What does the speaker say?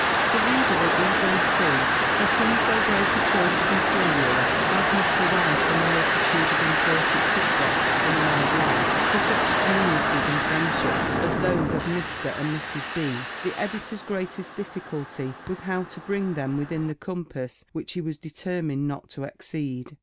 The reader will easily see, that in so great a choice of materials, as must arise from a multitude of important subjects, in a married life, to such geniuses and friendships as those of Mr. and Mrs. B. the Editor's greatest difficulty was how to bring them within the compass which he was determined not to exceed.